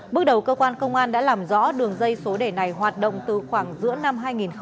bước đầu cơ quan công an đã làm rõ đường dây số đề này hoạt động từ khoảng giữa năm hai nghìn hai mươi ba